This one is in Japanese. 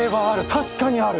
確かにある！